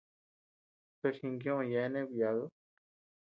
Toch jinkioʼö yabean nëʼe kuyadu.